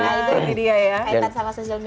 itu jadi dia ya